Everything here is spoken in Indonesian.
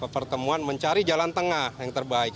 pertemuan mencari jalan tengah yang terbaik